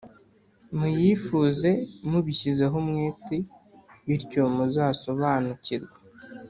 muyifuze mubishyizeho umwete, bityo muzasobanukirwe.